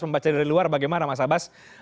membaca dari luar bagaimana mas abbas